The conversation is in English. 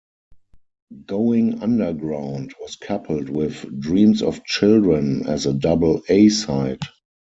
"Going Underground" was coupled with "Dreams of Children" as a double A side.